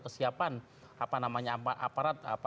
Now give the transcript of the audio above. kesiapan apa namanya aparat